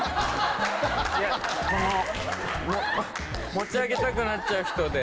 持ち上げたくなっちゃう人で。